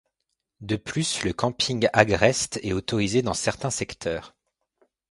De plus le camping agreste est autorisé dans certains secteurs.